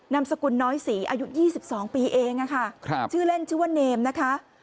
มสกุลน้อยศรีอายุ๒๒ปีเองค่ะชื่อเล่นชื่อว่าเนมนะคะ